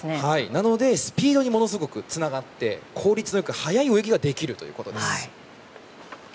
なのでスピードにものすごくつながって効率の良く、速い泳ぎができるということです。